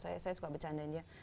saya suka bercandain dia